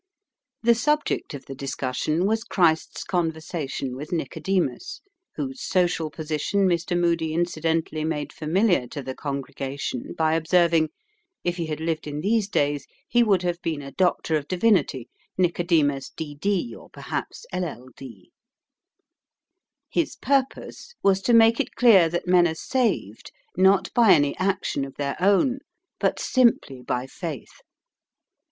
The subject of the discussion was Christ's conversation with Nicodemus whose social position Mr. Moody incidentally made familiar to the congregation by observing, "if he had lived in these days, he would have been a doctor of divinity, Nicodemus, D. D, or perhaps LL D." His purpose was to make it clear that men are saved, not by any action of their own, but simply by faith.